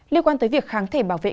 liên quan tới việc kháng thể bảo vệ